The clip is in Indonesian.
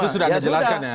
itu sudah anda jelaskan ya